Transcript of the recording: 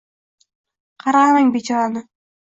Qarg‘amang bechorani.